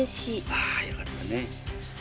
ああよかったね。